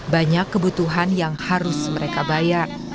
banyak kebutuhan yang harus mereka bayar